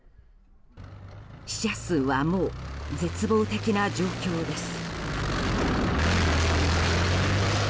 死者数はもう絶望的な状況です。